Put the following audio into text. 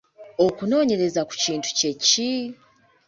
Okunoonyereza ku kintu kye ki?